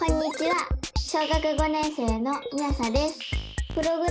小学５年生のみあさです。